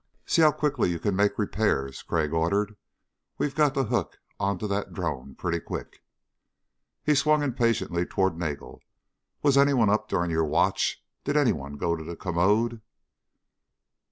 "See how quickly you can make repairs," Crag ordered. "We've got to hook onto the drone pretty quick." He swung impatiently toward Nagel. "Was anyone up during your watch? Did anyone go to the commode?"